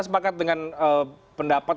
sepakat dengan pendapat